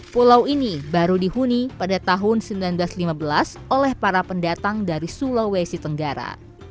pulau ini baru dihuni pada tahun seribu sembilan ratus lima belas oleh para pendatang dari sulawesi tenggara